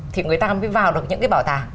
thì người ta mới vào được những cái bảo tàng